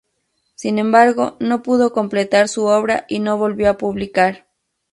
Sin embargo no pudo completar su obra y no volvió a publicar.